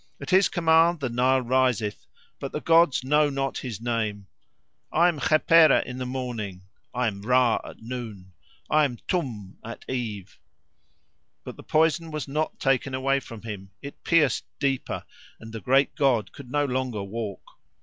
At his command the Nile riseth, but the gods know not his name. I am Khepera in the morning, I am Ra at noon, I am Tum at eve." But the poison was not taken away from him; it pierced deeper, and the great god could no longer walk.